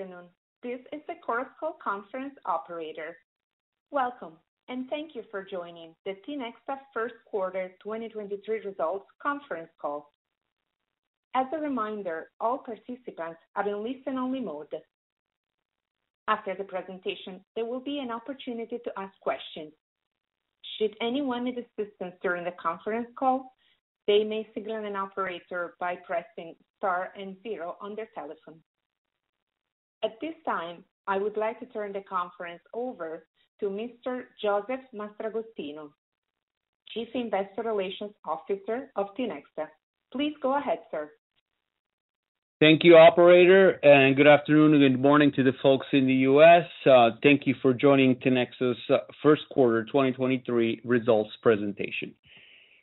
Good afternoon. This is the Chorus Call conference operator. Welcome, and thank you for joining the Tinexta Q1 2023 Results Conference Call. As a reminder, all participants are in listen-only mode. After the presentation, there will be an opportunity to ask questions. Should anyone need assistance during the conference call, they may signal an operator by pressing star and 0 on their telephone. At this time, I would like to turn the conference over to Mr. Josef Mastragostino, Chief Investor Relations Officer of Tinexta. Please go ahead, sir. Thank you, operator. Good afternoon and good morning to the folks in the U.S. Thank you for joining Tinexta's Q1 2023 results presentation.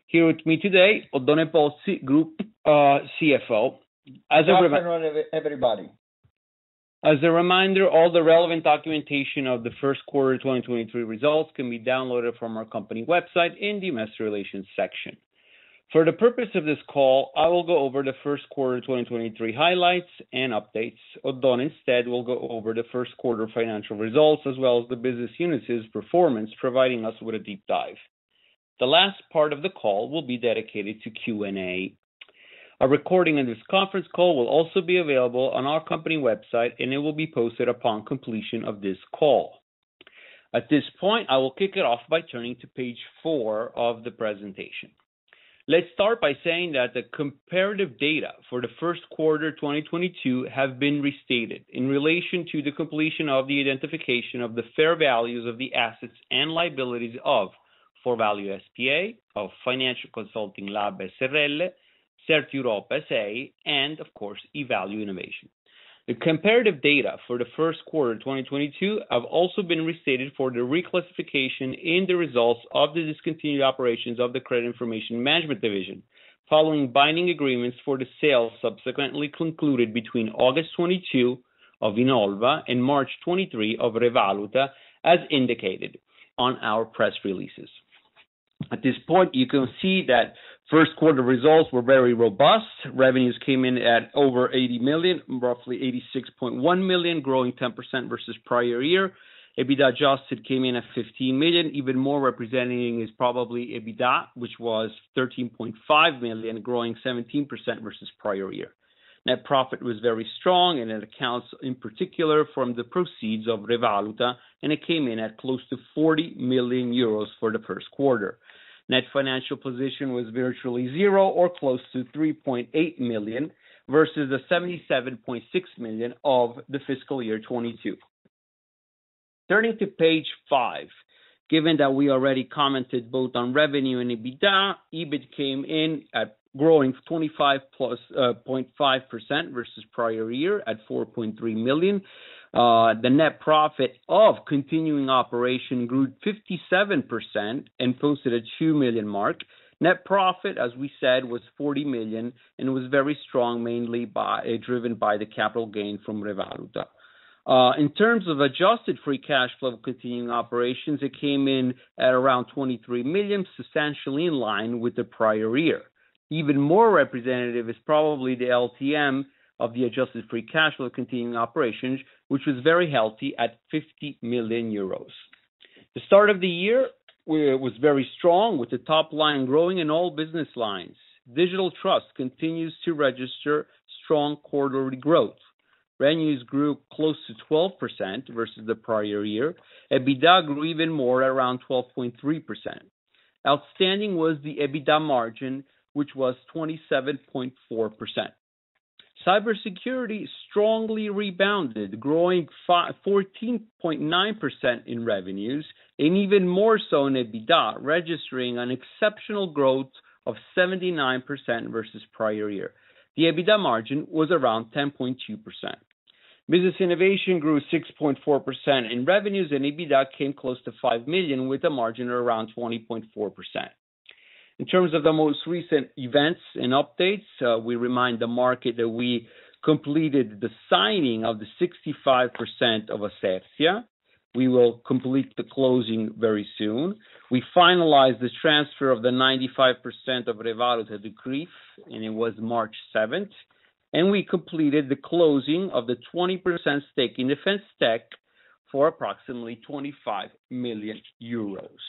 Here with me today, Oddone Pozzi, Group CFO. Good afternoon, everybody. As a reminder, all the relevant documentation of the Q1 2023 results can be downloaded from our company website in the Investor Relations section. For the purpose of this call, I will go over the Q1 2023 highlights and updates. Oddone instead will go over the Q1 financial results as well as the business units' performance, providing us with a deep dive. The last part of the call will be dedicated to Q&A. A recording of this conference call will also be available on our company website and it will be posted upon completion of this call. At this point, I will kick it off by turning to page four of the presentation. Let's start by saying that the comparative data for Q1 2022 have been restated in relation to the completion of the identification of the fair values of the assets and liabilities of Forvalue S.p.A., of Financial Consulting Lab S.r.l., CertEurope S.A., and of course, Evalue Innovación. The comparative data for Q1 2022 have also been restated for the reclassification in the results of the discontinued operations of the Credit Information & Management division following binding agreements for the sale subsequently concluded between August 2022 of Innolva and March 2023 of ReValuta, as indicated in our press releases. At this point, you can see that Q1 results were very robust. Revenues came in at over 80 million, roughly 86.1 million, growing 10% versus prior year. EBITDA adjusted came in at 15 million, even more representing is probably EBITDA, which was 13.5 million, growing 17% versus prior year. Net profit was very strong. It accounts in particular from the proceeds of ReValuta, and it came in at close to 40 million euros for Q1. Net financial position was virtually zero or close to 3.8 million versus the 77.6 million of the fiscal year 2022. Turning to page five. Given that we already commented both on revenue and EBITDA, EBIT came in at growing 25.5% versus prior year at 4.3 million. The net profit of continuing operation grew 57% and posted a 2 million mark. Net profit, as we said, was 40 million, and it was very strong, mainly driven by the capital gain from ReValuta. in terms of adjusted free cash flow of continuing operations, it came in at around 23 million, substantially in line with the prior year. Even more representative is probably the LTM of the adjusted free cash flow of continuing operations, which was very healthy at 50 million euros. The start of the year was very strong, with the top line growing in all business lines. Digital Trust continues to register strong quarterly growth. Revenues grew close to 12% versus the prior year. EBITDA grew even more around 12.3%. Outstanding was the EBITDA margin, which was 27.4%. Cybersecurity strongly rebounded, growing 14.9% in revenues and even more so in EBITDA, registering an exceptional growth of 79% versus prior year. The EBITDA margin was around 10.2%. Business Innovation grew 6.4% in revenues, and EBITDA came close to 5 million, with a margin around 20.4%. In terms of the most recent events and updates, we remind the market that we completed the signing of the 65% of Ascertia. We will complete the closing very soon. We finalized the transfer of the 95% of ReValuta to CRIF, on March 7, and we completed the closing of the 20% stake in Defense Tech for approximately 25 million euros.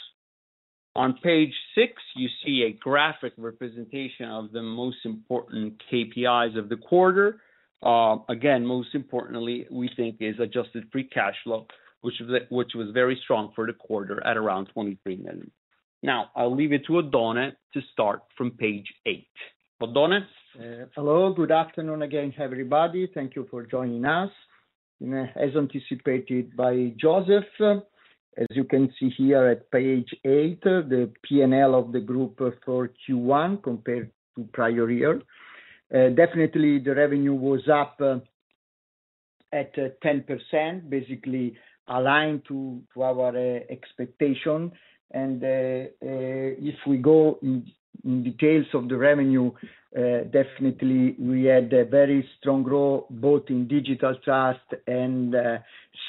On page six, you see a graphic representation of the most important KPIs of the quarter. Again, most importantly, we think is adjusted free cash flow, was very strong for the quarter at around 23 million. Now, I'll leave it to Oddone to start from page eight. Oddone? Hello. Good afternoon again, everybody. Thank you for joining us. As anticipated by Josef, as you can see here at page eight, the P&L of the group for Q1 compared to prior year. Definitely the revenue was up at 10%, basically aligned to our expectation. If we go in details of the revenue, definitely we had a very strong growth, both in Digital Trust and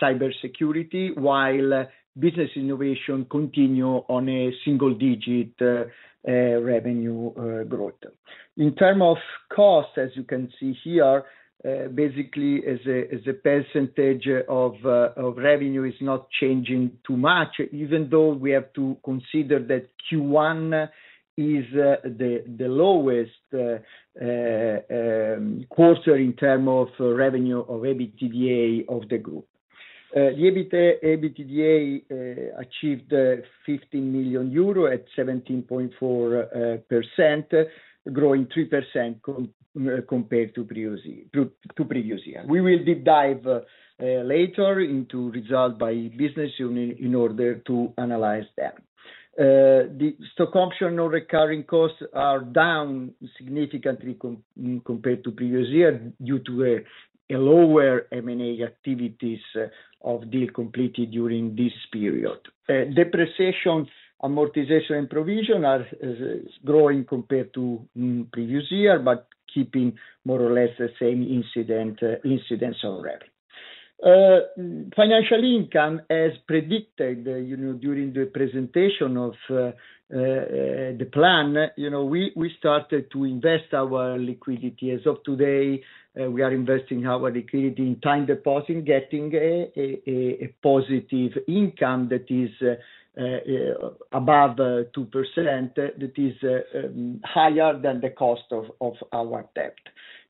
Cybersecurity, while Business Innovation continue on a single digit revenue growth. In term of cost, as you can see here, basically as a percentage of revenue is not changing too much, even though we have to consider that Q1 is the lowest quarter in term of revenue of EBITDA of the group. The EBITDA achieved EUR 50 million at 17.4%, growing 3% compared to previous year. We will deep dive later into result by business unit in order to analyze that. The stock option non-recurring costs are down significantly compared to previous year due to a lower M&A activities of deal completed during this period. Depreciation, amortization, and provision is growing compared to previous year, but keeping more or less the same incident incidents already. Financial income, as predicted, you know, during the presentation of the plan, you know, we started to invest our liquidity. As of today, we are investing our liquidity in time deposit, getting a positive income that is above 2% that is higher than the cost of our debt.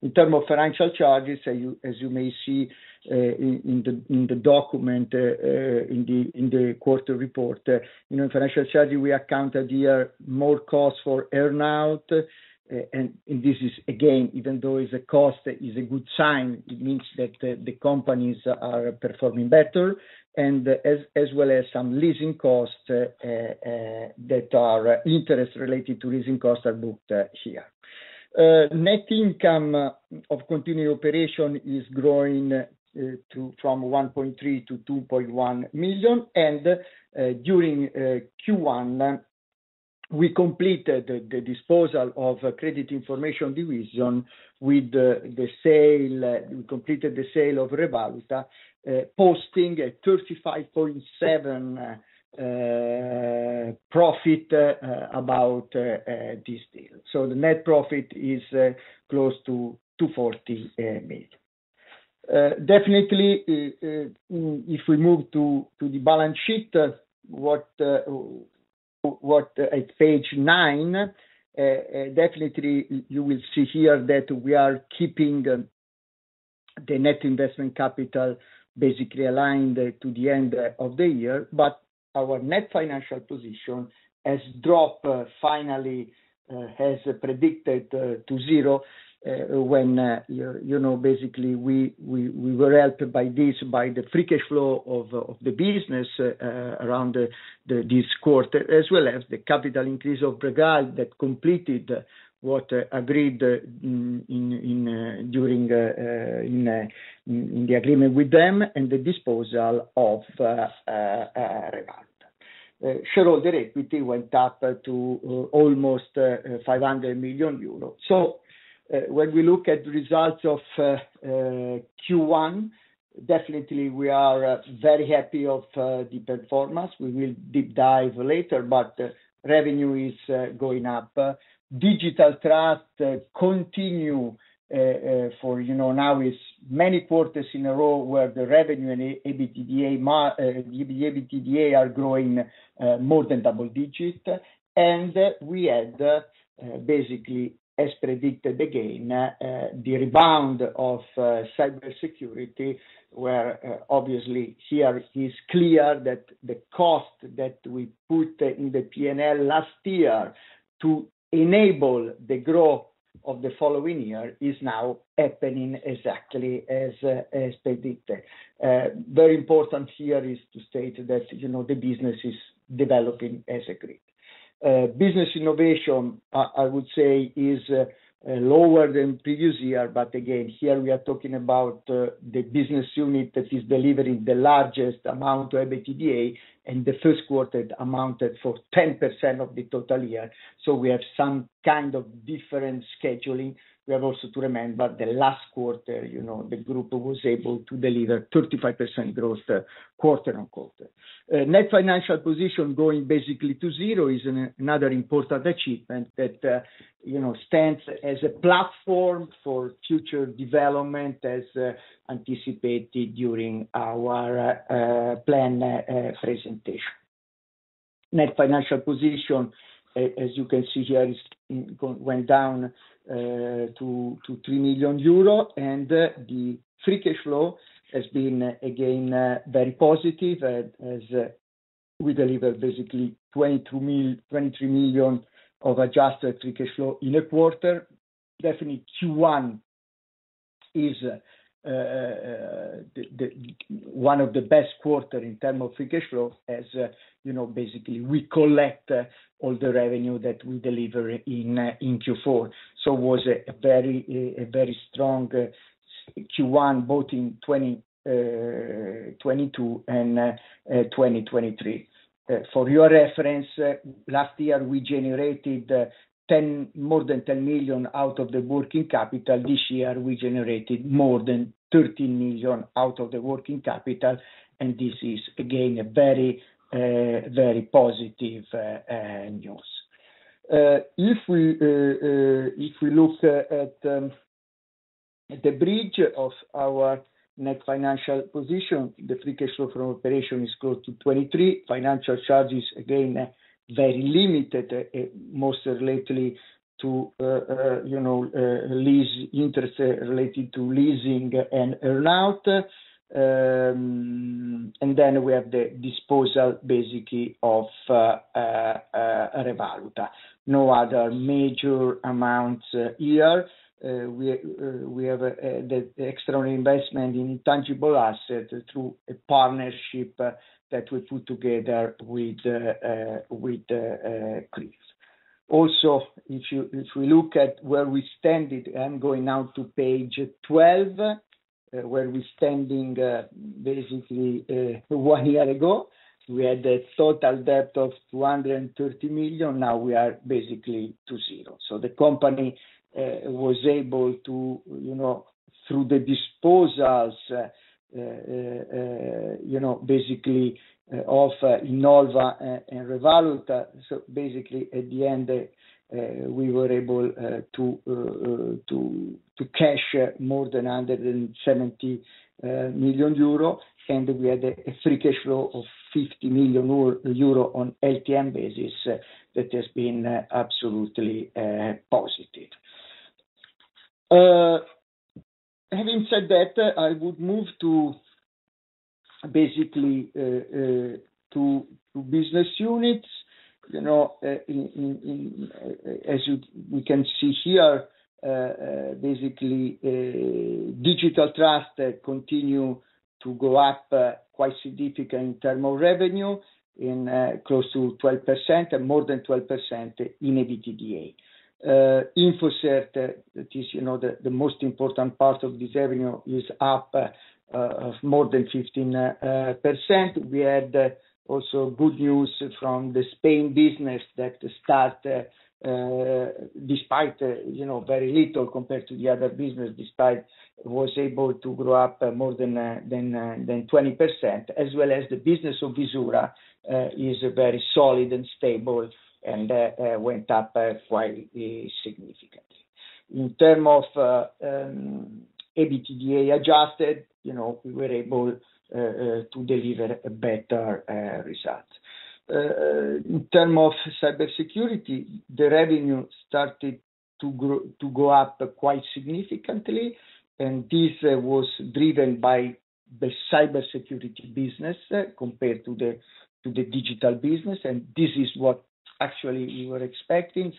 In term of financial charges, as you may see in the document, in the quarter report, you know, financial charges we accounted here more costs for earn-out. This is again, even though it's a cost, it is a good sign. It means that the companies are performing better and as well as some leasing costs that are interest related to leasing costs are booked here. Net income of continued operation is growing from 1.3 to 2.1 million. During Q1, we completed the disposal of Credit Information Division. We completed the sale of ReValuta, posting a 35.7 profit about this deal. The net profit is close to 240 million. Definitely, if we move to the balance sheet, at page nine, definitely you will see here that we are keeping the net investment capital basically aligned to the end of the year. Our net financial position has dropped finally, as predicted, to 0 when, you know, basically we were helped by this, by the free cash flow of the business around the... this quarter, as well as the capital increase of Bregal that completed what agreed in during the agreement with them and the disposal of ReValuta. Shareholder equity went up to almost 500 million euros. When we look at the results of Q1, definitely we are very happy of the performance. We will deep dive later, but revenue is going up. Digital Trust continue, for, you know, now is many quarters in a row where the revenue and the EBITDA are growing more than double digit. We had, basically, as predicted again, the rebound of Cybersecurity, where obviously here it is clear that the cost that we put in the P&L last year to enable the growth of the following year is now happening exactly as predicted. Very important here is to state that, you know, the business is developing as agreed. Business Innovation, I would say, is lower than previous year. Again, here we are talking about the business unit that is delivering the largest amount of EBITDA, and Q1 amounted for 10% of the total year. We have some kind of different scheduling. We have also to remember the last quarter, you know, the group was able to deliver 35% growth quarter on quarter. Net financial position going basically to zero is another important achievement that, you know, stands as a platform for future development as anticipated during our plan presentation. Net financial position, as you can see here, went down to 3 million euro, and the free cash flow has been again, very positive, as we delivered basically 23 million of adjusted free cash flow in a quarter. Definitely, Q1 is one of the best quarter in term of free cash flow, as, you know, basically we collect all the revenue that we deliver in Q4. it was a very strong Q1, both in 2022 and 2023. For your reference, last year, we generated more than 10 million out of the working capital. This year, we generated more than 13 million out of the working capital, this is again, a very, very positive news. If we look at the bridge of our net financial position, the free cash flow from operation is close to 23 million. Financial charges, again, very limited, most lately to, you know, lease interest related to leasing and earn-out. Then we have the disposal basically of ReValuta. No other major amounts here. We have the external investment in intangible asset through a partnership that we put together with CRIF. If we look at where we stand it, I'm going now to page 12, where we're standing, basically, one year ago. We had a total debt of 230 million, now we are basically to zero. The company was able to, you know, through the disposals, you know, basically of Innolva and ReValuta. Basically at the end, we were able to cash more than 170 million euro, and we had a free cash flow of 50 million euro on LTM basis. That has been absolutely positive. Having said that, I would move to basically to business units. You know, as we can see here, basically Digital Trust continue to go up quite significant in term of revenue close to 12% and more than 12% in EBITDA. InfoCert, that is, you know, the most important part of this avenue is up of more than 15%. We had also good news from the Spain business that start, despite, you know, very little compared to the other business, despite was able to grow up more than 20%, as well as the business of Visura is very solid and stable and went up quite significantly. In term of EBITDA adjusted, you know, we were able to deliver a better result. In term of cybersecurity, the revenue started to go up quite significantly, and this was driven by the cybersecurity business compared to the digital business, and this is what actually we were expecting.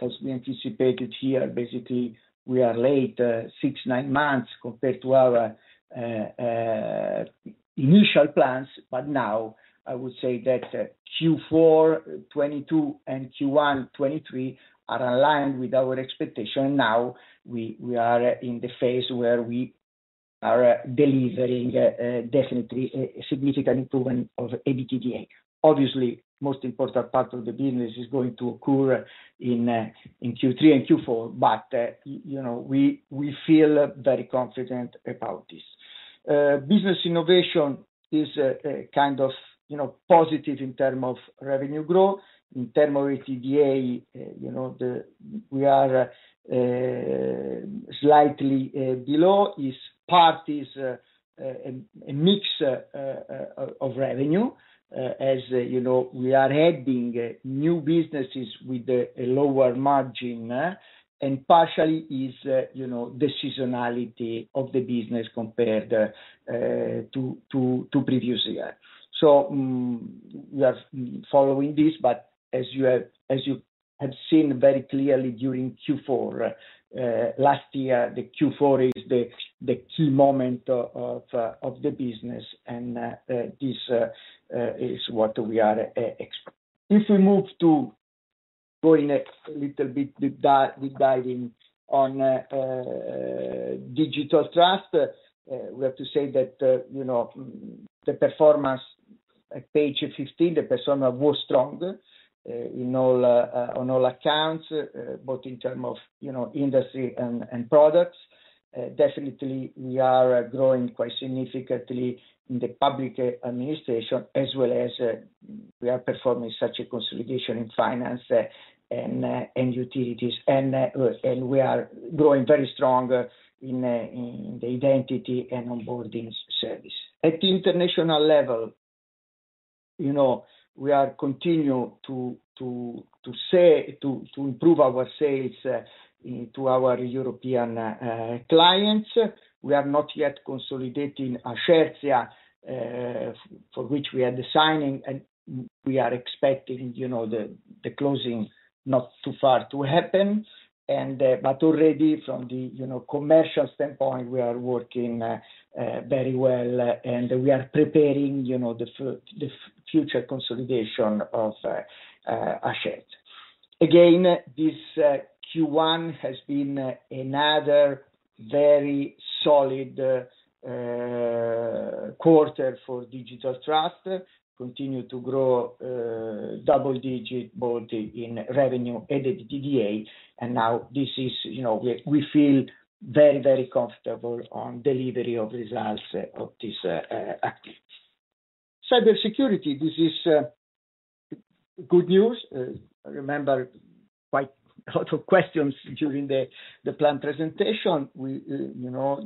As we anticipated here, basically we are late, six, nine months compared to our initial plans. Now I would say that Q4 2022 and Q1 2023 are aligned with our expectation. We are in the phase where we are delivering definitely a significant improvement of EBITDA. Obviously, most important part of the business is going to occur in Q3 and Q4, but, you know, we feel very confident about this. Business Innovation is kind of, you know, positive in term of revenue growth. In term of EBITDA, you know, we are slightly below. This part is a mix of revenue, as, you know, we are adding new businesses with a lower margin, and partially is, you know, the seasonality of the business compared to previous year. We are following this, but as you have seen very clearly during Q4 last year, the Q4 is the key moment of the business. This is what we are If we move to going a little bit deep diving on Digital Trust, we have to say that, you know, the performance at page 15, the persona was strong on all accounts, both in term of, you know, industry and products. Definitely, we are growing quite significantly in the public administration as well as we are performing such a consolidation in finance and utilities. We are growing very strong in the identity and onboarding service. At the international level, you know, we are continue to improve our sales into our European clients. We are not yet consolidating Ascertia, for which we are designing and we are expecting, you know, the closing not too far to happen. But already from the, you know, commercial standpoint, we are working very well and we are preparing, you know, the future consolidation of Ascertia. Again, this Q1 has been another very solid quarter for Digital Trust. Continue to grow double-digit both in revenue, EBITDA. Now this is, you know, we feel very, very comfortable on delivery of results of this activities. Cybersecurity, this is good news. I remember quite a lot of questions during the plan presentation. We, you know,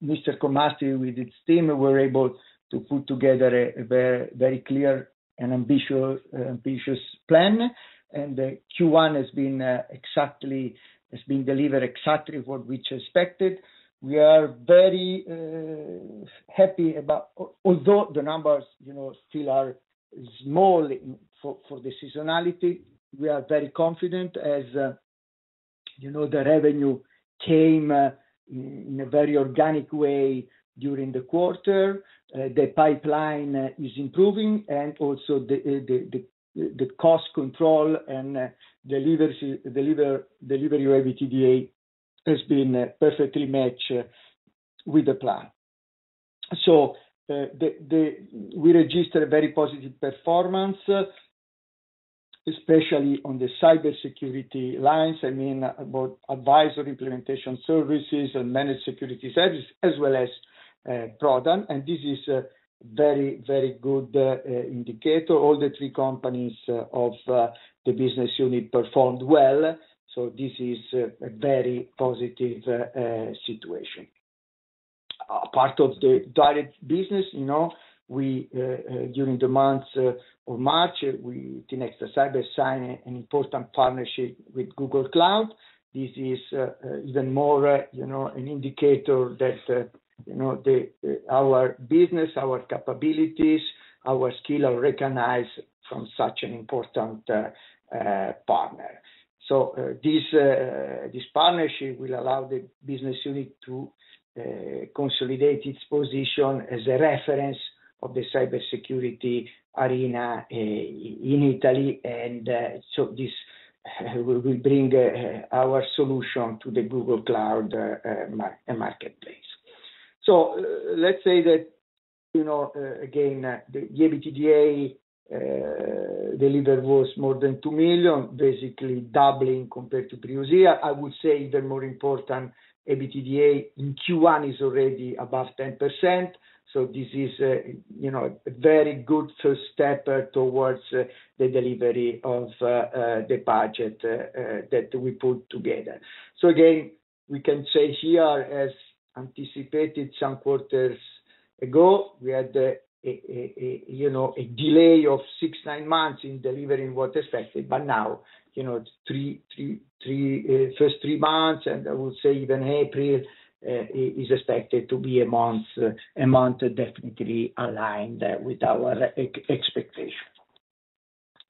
Mr. Comastri with his team were able to put together a very, very clear and ambitious plan. Q1 has been delivered exactly what we expected. We are very happy about. Although the numbers, you know, still are small for the seasonality, we are very confident as, you know, the revenue came in a very organic way during the quarter. The pipeline is improving and also the cost control and delivery EBITDA has been perfectly matched with the plan. We registered a very positive performance, especially on the cybersecurity lines. I mean, both advisory implementation services and managed security services as well as product. This is a very, very good indicator. All the three companies of the business unit performed well, so this is a very positive situation. Part of the direct business, you know, we, during the months of March, we, Tinexta Cyber signed an important partnership with Google Cloud. This is even more, you know, an indicator that, you know, our business, our capabilities, our skill are recognized from such an important partner. This partnership will allow the business unit to consolidate its position as a reference of the cybersecurity arena in Italy. This will bring our solution to the Google Cloud marketplace. Let's say that, you know, again, the EBITDA delivered was more than 2 million, basically doubling compared to previous year. I would say even more important, EBITDA in Q1 is already above 10%. This is, you know, a very good first step towards the delivery of the budget that we put together. Again, we can say here, as anticipated some quarters ago, we had, you know, a delay of six to nine months in delivering what expected. Now, you know, first three months, and I would say even April, is expected to be a month definitely aligned with our expectation.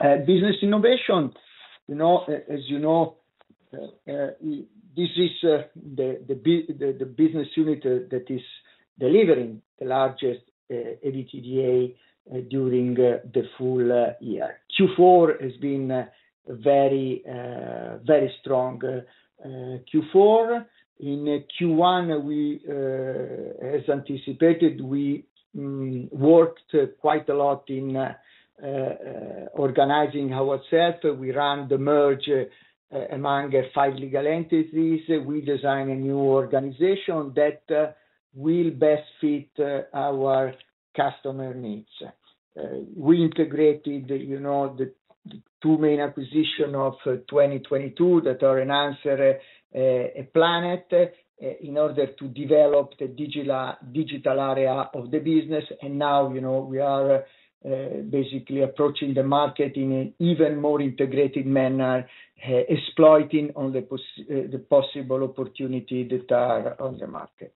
Business Innovation. You know, as you know, this is the business unit that is delivering the largest EBITDA during the full year. Q4 has been a very strong Q4. In Q1, we, as anticipated, we worked quite a lot in organizing ourselves. We ran the merge among five legal entities. We designed a new organization that will best fit our customer needs. We integrated, you know, the two main acquisition of 2022 that are Enhancers, Plannet, in order to develop the digital area of the business. Now, you know, we are basically approaching the market in an even more integrated manner, exploiting on the possible opportunity that are on the market.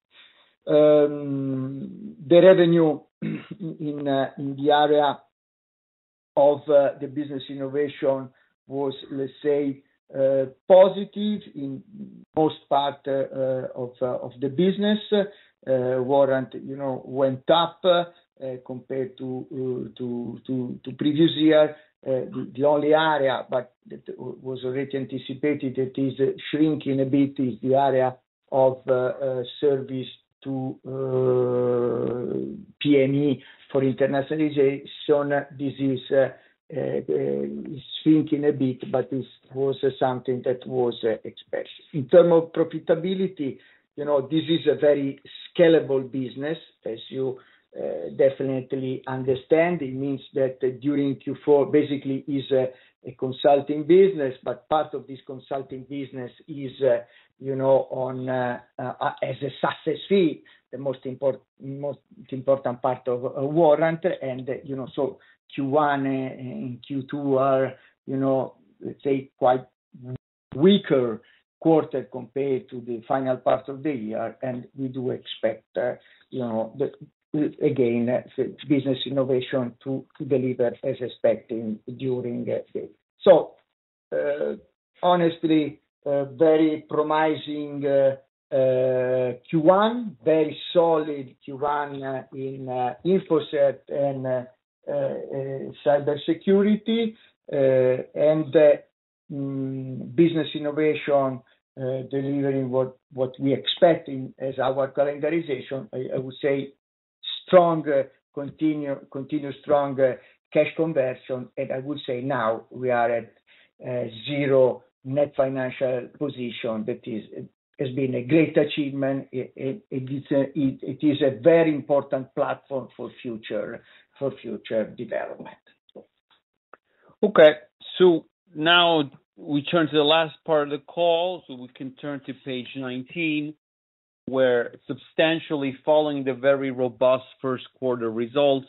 The revenue in the area of the Business Innovation was, let's say, positive in most part of the business. Warrant, you know, went up compared to previous year. The only area, but that was already anticipated, that is shrinking a bit, is the area of service to PME for internationalization. This is shrinking a bit, but this was something that was expected. In term of profitability, you know, this is a very scalable business, as you definitely understand. It means that during Q4, basically is a consulting business, but part of this consulting business is, you know, on as a success fee, the most important part of Warrant. You know, so Q1 and Q2 are, you know, let's say quite weaker quarter compared to the final part of the year. We do expect, you know, the again, Business Innovation to deliver as expecting during the. Honestly, very promising Q1. Very solid Q1, in InfoSec and cybersecurity. The business innovation delivering what we expect in as our calendarization. I would say stronger continue stronger cash conversion. I would say now we are at 0 net financial position. That has been a great achievement. It is a very important platform for future, for future development. Okay. Now we turn to the last part of the call. We can turn to page 19, where substantially following the very robust Q1 results,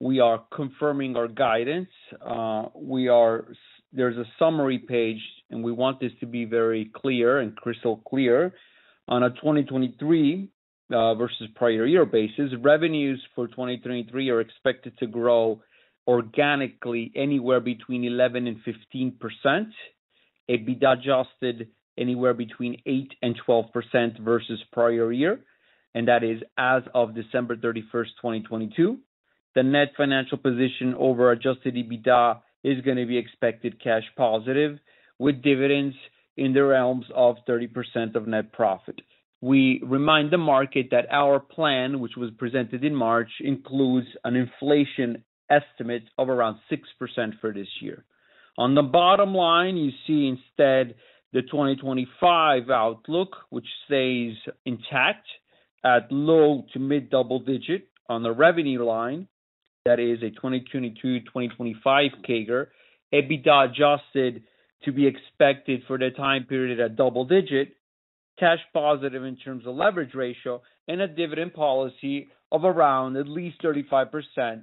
we are confirming our guidance. There's a summary page, and we want this to be very clear and crystal clear. On a 2023 versus prior year basis, revenues for 2023 are expected to grow organically anywhere between 11%-15%. EBITDA adjusted anywhere between 8%-12% versus prior year, and that is as of December 31st, 2022. The net financial position over adjusted EBITDA is going to be expected cash positive, with dividends in the realms of 30% of net profit. We remind the market that our plan, which was presented in March, includes an inflation estimate of around 6% for this year. On the bottom line, you see instead the 2025 outlook, which stays intact at low to mid double-digit on the revenue line. That is a 2022-2025 CAGR. EBITDA adjusted to be expected for the time period at double-digit, cash positive in terms of leverage ratio, and a dividend policy of around at least 35%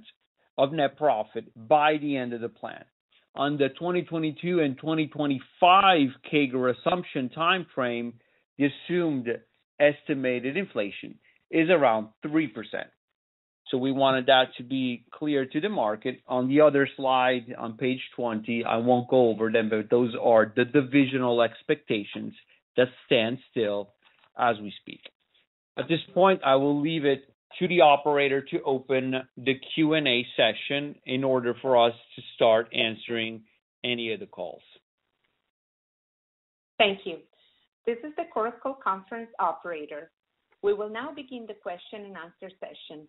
of net profit by the end of the plan. On the 2022 and 2025 CAGR assumption timeframe, the assumed estimated inflation is around 3%. We wanted that to be clear to the market. On the other slide, on page 20, I won't go over them, but those are the divisional expectations that stand still as we speak. At this point, I will leave it to the operator to open the Q&A session in order for us to start answering any of the calls. Thank you. This is the Chorus Call conference operator. We will now begin the question and answer session.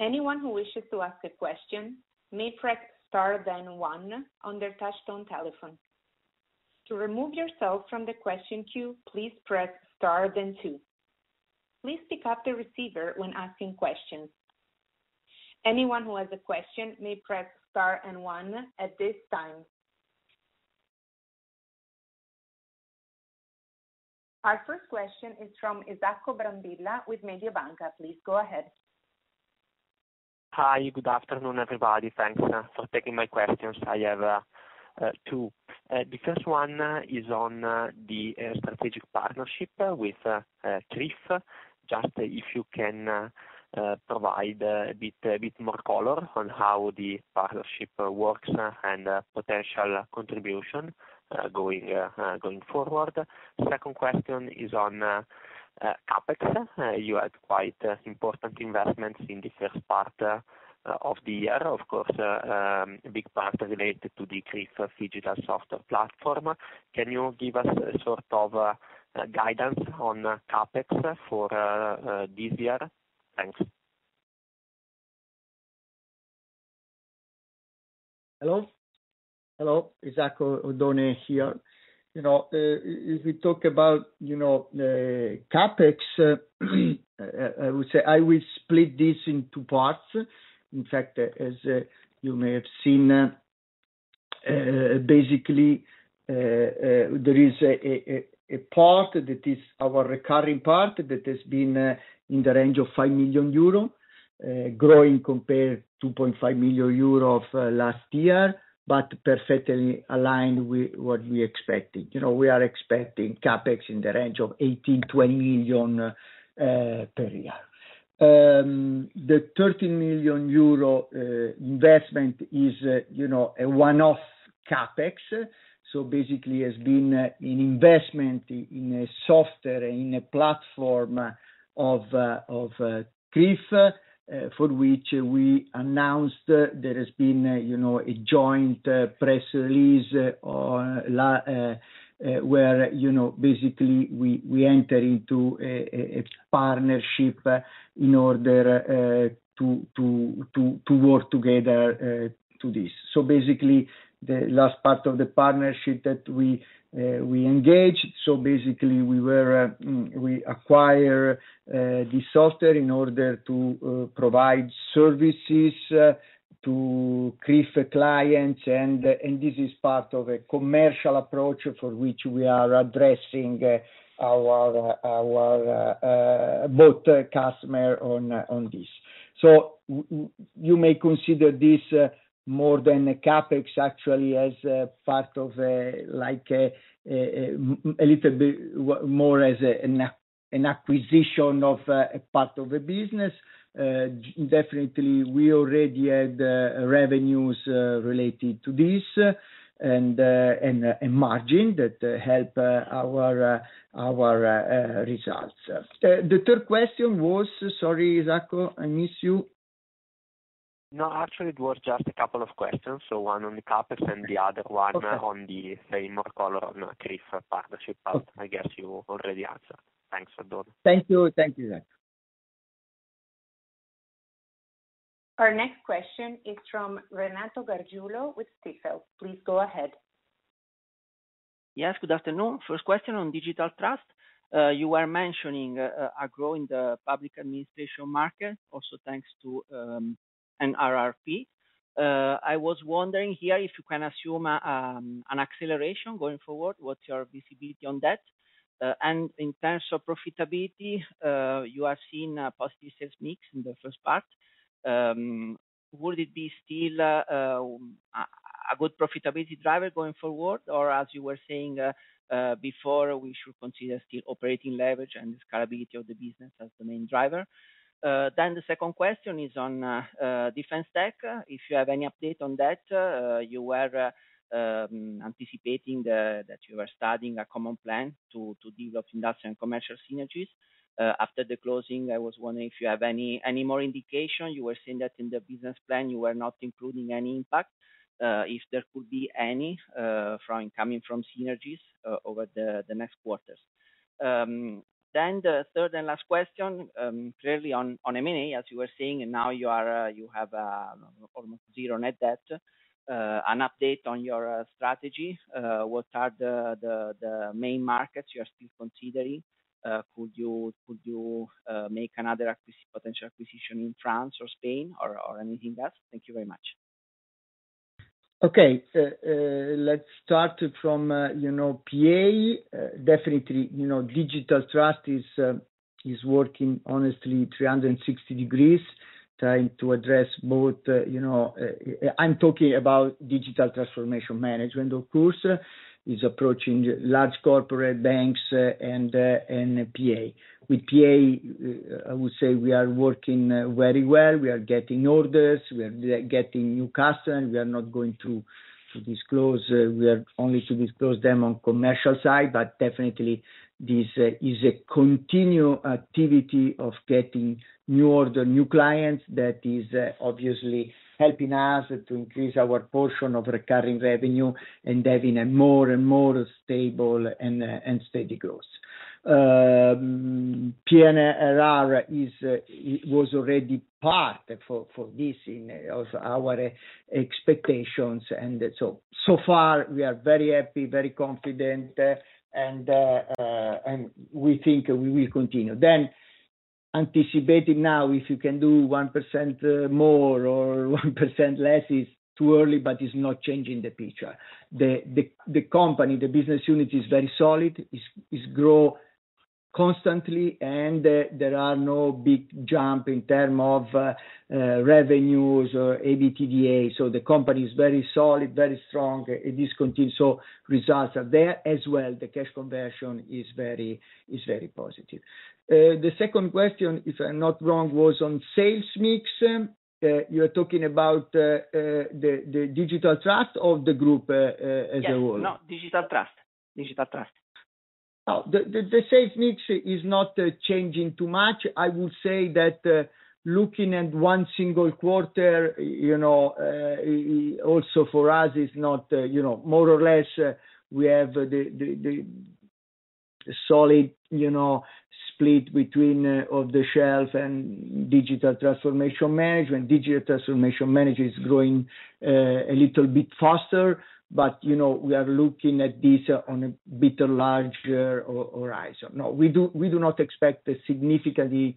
Anyone who wishes to ask a question may press star then one on their touchtone telephone. To remove yourself from the question queue, please press star then tw. Please pick up the receiver when asking questions. Anyone who has a question may press star and 1 at this time. Our first question is from Isacco Brambilla with Mediobanca. Please go ahead. Hi. Good afternoon, everybody. Thanks for taking my questions. I have two. The first one is on the strategic partnership with CRIF. Just if you can provide a bit more color on how the partnership works and potential contribution going forward? Second question is on CapEx. You had quite important investments in the first part of the year, of course, big part related to the CRIF digital software platform. Can you give us a sort of guidance on CapEx for this year? Thanks. Hello. Hello. Isacco. Oddone here. You know, if we talk about, you know, CapEx, I would say I will split this in two parts. In fact, as you may have seen, there is a part that is our recurring part that has been in the range of 5 million euro, growing compared 2.5 million euro of last year, perfectly aligned with what we expected. You know, we are expecting CapEx in the range of 18 million-20 million per year. The 13 million euro investment is, you know, a one-off CapEx. Basically has been an investment in a software, in a platform of CRIF, for which we announced there has been a, you know, a joint press release or where, you know, basically we enter into a partnership in order to work together to this. Basically the last part of the partnership that we engage. Basically we were, we acquire the software in order to provide services to CRIF clients and this is part of a commercial approach for which we are addressing our both customer on this. You may consider this more than a CapEx actually as a part of a little bit more as An acquisition of a part of a business. Definitely we already had revenues related to this and margin that help our results. The third question was? Sorry, Isacco, I miss you. Actually it was just a couple of questions. One on the CapEx and the other one... Okay. On the same call on CRIF partnership. I guess you already answered. Thanks, Oddone. Thank you. Thank you, Isacco. Our next question is from Renato Gargiulo with Intesa Sanpaolo. Please go ahead. Yes, good afternoon. First question on Digital Trust. You were mentioning growing the public administration market also thanks to NRRP. I was wondering here if you can assume an acceleration going forward, what's your visibility on that? In terms of profitability, you are seeing a positive sales mix in the first part. Would it be still a good profitability driver going forward, or as you were saying before, we should consider still operating leverage and scalability of the business as the main driver? The second question is on Defense Tech, if you have any update on that. You were anticipating that you were starting a common plan to develop industrial and commercial synergies. After the closing, I was wondering if you have any more indication. You were saying that in the business plan, you were not including any impact, if there could be any, coming from synergies over the next quarters. The third and last question, clearly on M&A, as you were saying, and now you are, you have almost 0 net debt. An update on your strategy, what are the main markets you are still considering? Could you make another potential acquisition in France or Spain or anything else? Thank you very much. Okay. Let's start from, you know, PA. Definitely, you know, Digital Trust is working honestly 360 degrees, trying to address both, you know... I'm talking about digital transformation management of course, is approaching large corporate banks and PA. With PA, I would say we are working very well. We are getting orders. We are getting new customers. We are not going to disclose. We are only to disclose them on commercial side. Definitely this is a continued activity of getting new order, new clients that is obviously helping us to increase our portion of recurring revenue and having a more and more stable and steady growth. PNRR is it was already part for this in of our expectations. So far we are very happy, very confident, and we think we will continue. Anticipating now if you can do 1% more or 1% less is too early, but it's not changing the picture. The company, the business unit is very solid. Is grow constantly and there are no big jump in term of revenues or EBITDA. The company is very solid, very strong. It is continual. Results are there. As well, the cash conversion is very positive. The second question, if I'm not wrong, was on sales mix. You're talking about the Digital Trust or the group as a whole? Yes. No, Digital Trust. Digital Trust. Oh, the sales mix is not changing too much. I would say that, looking at one single quarter, you know, also for us is not... You know, more or less, we have the solid, you know, split between off-the-shelf and digital transformation management. Digital transformation management is growing a little bit faster. You know, we are looking at this on a bit larger horizon. No, we do not expect a significantly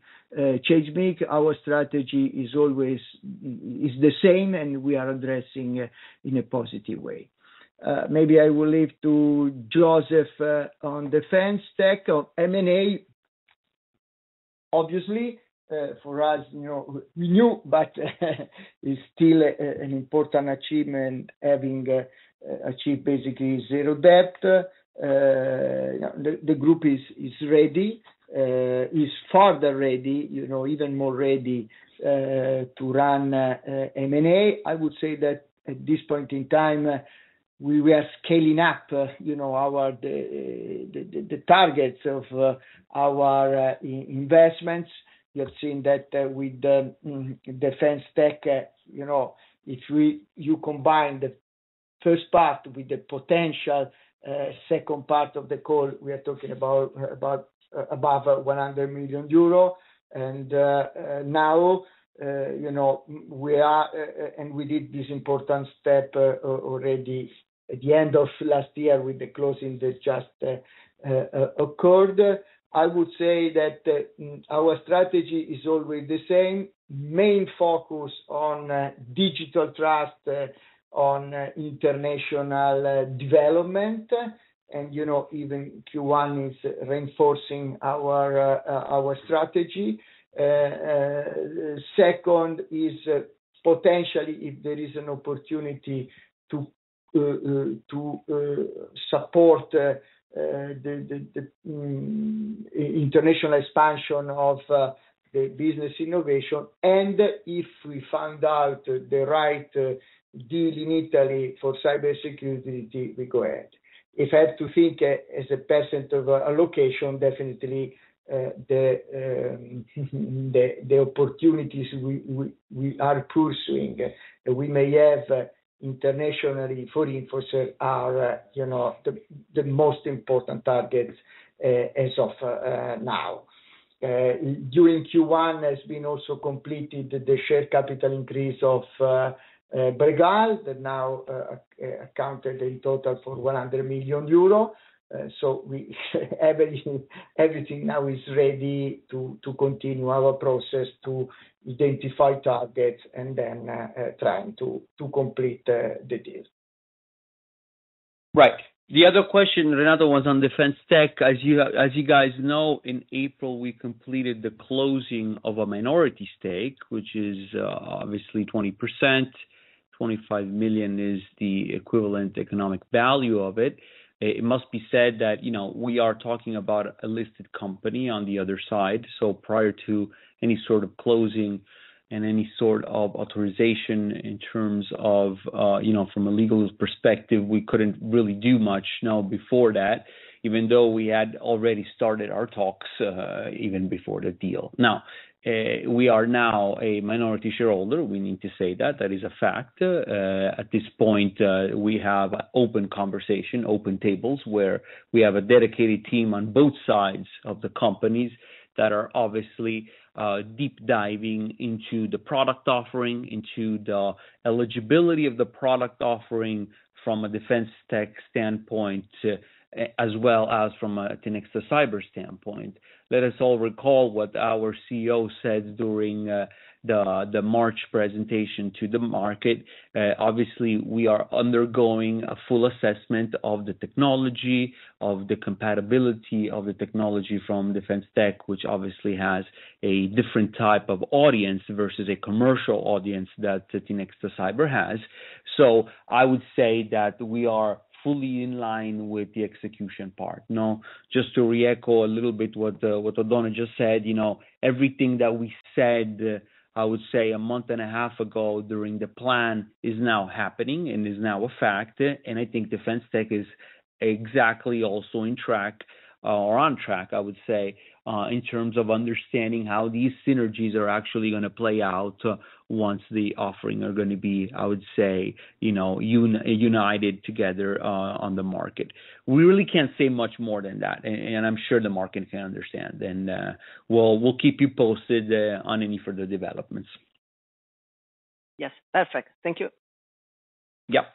change mix. Our strategy is always the same. We are addressing in a positive way. Maybe I will leave to Josef on Defense Tech or M&A. Obviously, for us, you know, new, is still an important achievement having achieved basically zero debt. The group is ready, is further ready, you know, even more ready, to run M&A. I would say that at this point in time, we are scaling up, you know, our targets of our investments. You have seen that with the Defense Tech, you know, if you combine the first part with the potential second part of the call, we are talking above 100 million euro. Now, you know, we are and we did this important step already at the end of last year with the closing that just occurred. I would say that our strategy is always the same. Main focus on Digital Trust, on international development. You know, even Q1 is reinforcing our strategy. Second is potentially if there is an opportunity to support the international expansion of the Business Innovation. If we find out the right deal in Italy for Cybersecurity, we go ahead. If I have to think as a person of a location, definitely the opportunities we are pursuing, we may have internationally 40% are, you know, the most important targets as of now. During Q1 has been also completed the shared capital increase of Bregal that now accounted in total for 100 million euro. Everything now is ready to continue our process to identify targets and then trying to complete the deal. Right. The other question, Renato, was on Defense Tech. As you, as you guys know, in April, we completed the closing of a minority stake, which is obviously 20%. 25 million is the equivalent economic value of it. It must be said that, you know, we are talking about a listed company on the other side. Prior to any sort of closing and any sort of authorization in terms of, you know, from a legal perspective, we couldn't really do much now before that, even though we had already started our talks even before the deal. We are now a minority shareholder. We need to say that is a fact. At this point, we have open conversation, open tables, where we have a dedicated team on both sides of the companies that are obviously deep diving into the product offering, into the eligibility of the product offering from a Defense Tech standpoint, as well as from a Tinexta Cyber standpoint. Let us all recall what our CEO said during the March presentation to the market. Obviously, we are undergoing a full assessment of the technology, of the compatibility of the technology from Defence Tech, which obviously has a different type of audience versus a commercial audience that Tinexta Cyber has. I would say that we are fully in line with the execution part. Now, just to re-echo a little bit what Oddone just said, you know, everything that we said, I would say a month and a half ago during the plan is now happening and is now a fact. I think DefenseTech is exactly also in track, or on track, I would say, in terms of understanding how these synergies are actually gonna play out once the offering are gonna be, I would say, you know, united together, on the market. We really can't say much more than that. I'm sure the market can understand. We'll, we'll keep you posted, on any further developments. Yes. Perfect. Thank you. Yeah.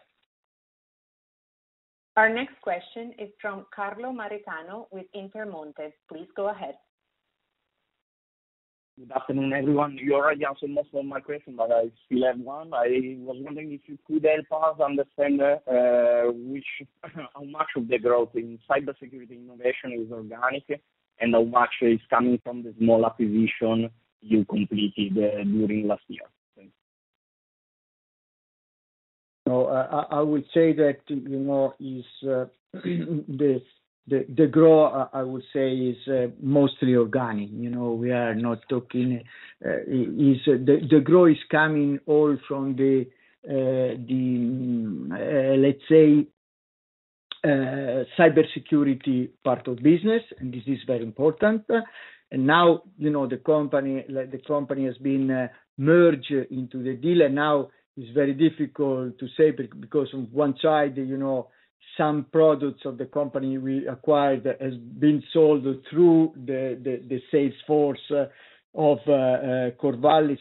Our next question is from Carlo Maritano with Intermonte. Please go ahead. Good afternoon, everyone. You already answered most of my questions. I still have one. I was wondering if you could help us understand, how much of the growth in Cybersecurity innovation is organic, and how much is coming from the small acquisition you completed, during last year? Thanks. I would say that, you know, is the growth, I would say is mostly organic. You know, we are not talking. The growth is coming all from the, let's say, cybersecurity part of business, this is very important. Now, you know, the company has been merged into the deal, and now it's very difficult to say because on one side, you know, some products of the company we acquired has been sold through the sales force of Corvallis.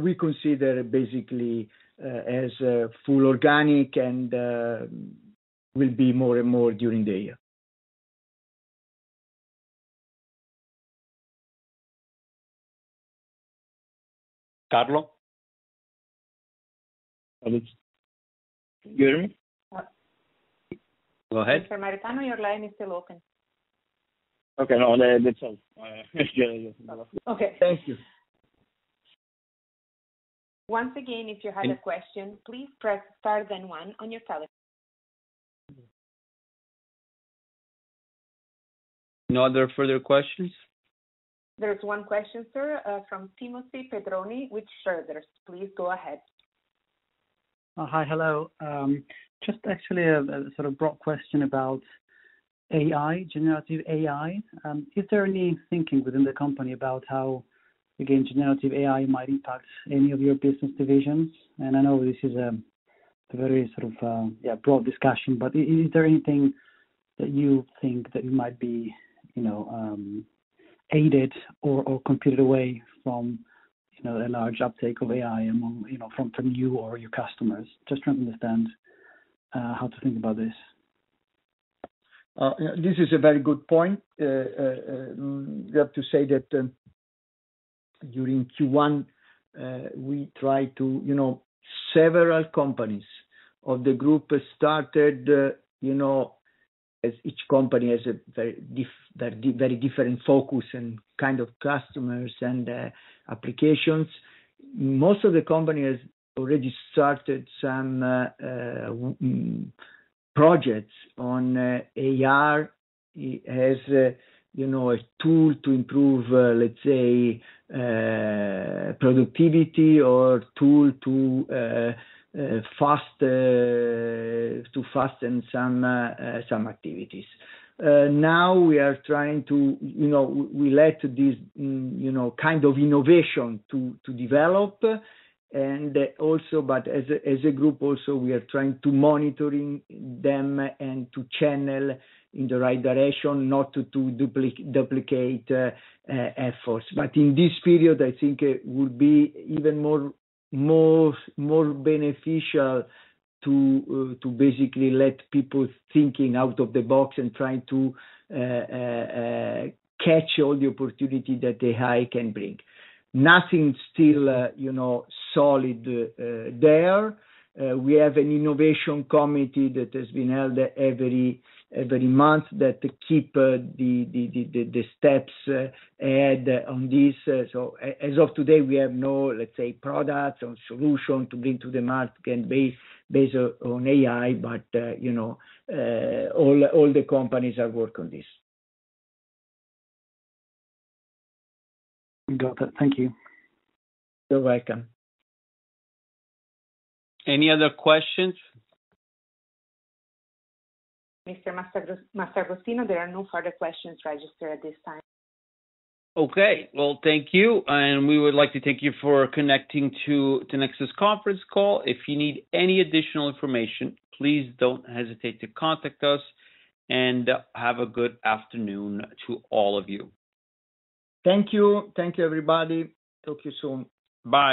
We consider basically as full organic and will be more and more during the year. Carlo? Can you hear me? Go ahead. Mr. Maritano, your line is still open. Okay. No. Okay. Thank you. Once again, if you have a question, please press star then one on your telephone. No other further questions? There's one question, sir, from Timothy Pedroni with Schroders. Please go ahead. Hi. Hello. Just actually a sort of broad question about AI, generative AI. Is there any thinking within the company about how, again, generative AI might impact any of your business divisions? I know this is a very sort of, yeah, broad discussion, but is there anything that you think that you might be, you know, aided or competed away from, you know, a large uptake of AI among, you know, from you or your customers? Just trying to understand how to think about this. This is a very good point. We have to say that, during Q1, You know, several companies of the group started, as each company has a very different focus and kind of customers and applications. Most of the company has already started some projects on AI. It has a tool to improve productivity or tool to fasten some activities. Now we are trying to, we let this kind of innovation to develop, and also but as a group also, we are trying to monitoring them and to channel in the right direction, not to duplicate efforts. In this period, I think it would be even more beneficial to basically let people thinking out of the box and trying to catch all the opportunity that AI can bring. Nothing still, you know, solid there. We have an innovation committee that has been held every month that keep the steps on this. As of today, we have no, let's say, products or solution to bring to the market based on AI, but, you know, all the companies are work on this. Got it. Thank you. You're welcome. Any other questions? Mr. Mastragostino, there are no further questions registered at this time. Okay. Well, thank you. We would like to thank you for connecting to Tinexta's conference call. If you need any additional information, please don't hesitate to contact us. Have a good afternoon to all of you. Thank you. Thank you, everybody. Talk to you soon. Bye.